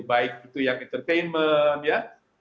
baik itu yang entertainment ya